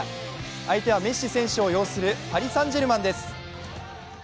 相手はメッシ選手を擁するパリ・サン＝ジェルマンです。